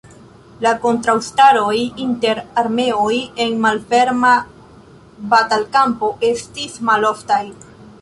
La kontraŭstaroj inter armeoj en malferma batalkampo estis maloftaj.